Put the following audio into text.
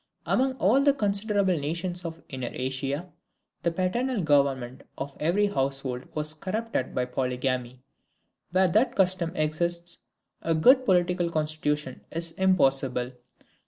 "Among all the considerable nations of Inner Asia, the paternal government of every household was corrupted by polygamy; where that custom exists, a good political constitution is impossible.